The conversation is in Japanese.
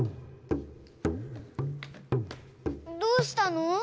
どうしたの？